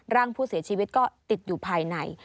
ร่างผู้เสียชีวิตก็ติดอยู่ภายใน